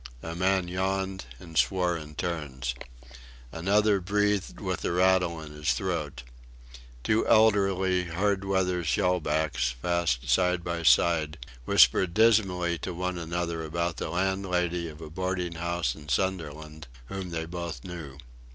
A man yawned and swore in turns. Another breathed with a rattle in his throat. Two elderly hard weather shellbacks, fast side by side, whispered dismally to one another about the landlady of a boarding house in Sunderland, whom they both knew.